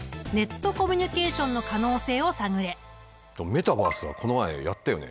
メタバースはこの前やったよね。